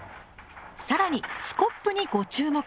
更にスコップにご注目。